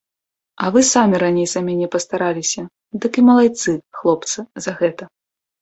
А вы самі раней за мяне пастараліся, дык і малайцы, хлопцы, за гэта.